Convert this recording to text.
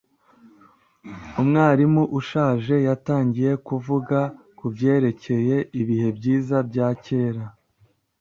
Umwarimu ushaje yatangiye kuvuga kubyerekeye ibihe byiza bya kera.